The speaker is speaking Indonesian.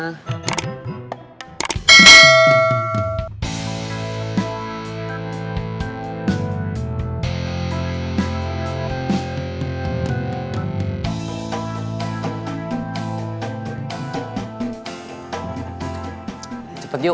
tidak ada yang ngeroyok